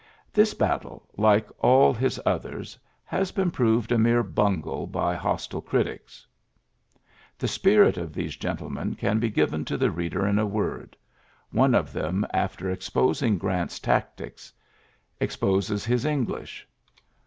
This battle, like all his others, has been proved a mere bungle by hostile critics. The spirit of these gentlemen can be given to the reader in a word. One of them, after exposing Grant's tactics, exposes his English.